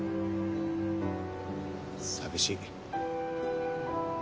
寂しい。